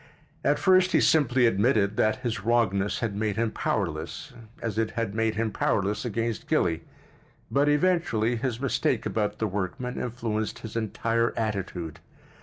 At first he simply admitted that his wrongness had made him powerless—as it had made him powerless against Gilly—but eventually his mistake about the workman influenced his entire attitude.